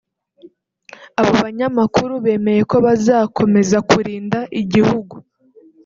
Abo banyamakuru bemeye ko bazakomeza kurinda igihugu